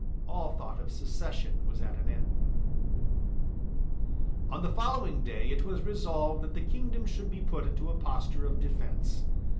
All thought of secession was at an end, On the following day it was resolved that the kingdom should be put into a posture of defence.